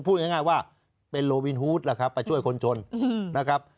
พูดง่ายว่าเป็นโลวินฮูตล่ะครับไปช่วยคนจนนะครับ